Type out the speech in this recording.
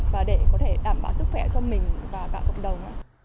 và để có thể đảm bảo sức khỏe cho mình và cả cộng đồng